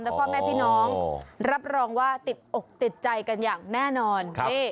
และพ่อแม่พี่น้องรับรองว่าติดอกติดใจกันอย่างแน่นอน